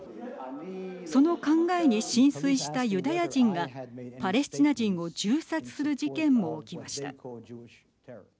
その考えに心酔したユダヤ人がパレスチナ人を銃殺する事件も起きました。